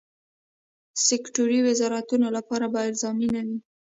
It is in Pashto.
سکټوري وزارتونو لپاره به الزامي نه وي.